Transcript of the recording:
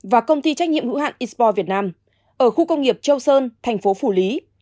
và công ty trách nhiệm hữu hạn expo việt nam ở khu công nghiệp châu sơn thành phố phủ lý